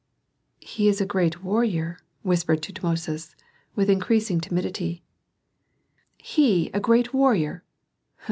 "He is a great warrior," whispered Tutmosis, with increasing timidity. "He a great warrior?